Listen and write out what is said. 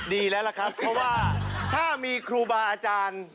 ดีแล้วล่ะครับเพราะว่าถ้ามีครูบาอาจารย์